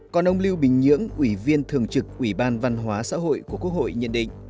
còn ông lưu bình nhưỡng ủy viên thường trực ủy ban văn hóa xã hội của quốc hội nhận định